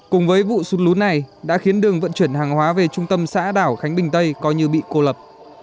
cùng với vụ sụt lún này đã khiến đường vận chuyển hàng hóa về trung tâm xã đảo khánh bình tây coi như bị cô lập